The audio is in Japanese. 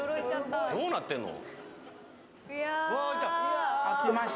どうなってんの？